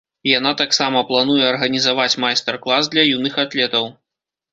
Яна таксама плануе арганізаваць майстар-клас для юных атлетаў.